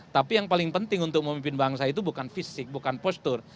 tapi yang paling penting untuk memimpin bangsa itu bukan fisik bukan postur